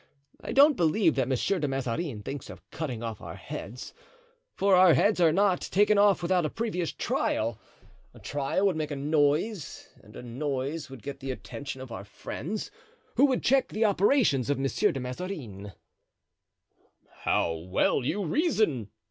I don't believe that Monsieur de Mazarin thinks of cutting off our heads, for heads are not taken off without previous trial; a trial would make a noise, and a noise would get the attention of our friends, who would check the operations of Monsieur de Mazarin." "How well you reason!"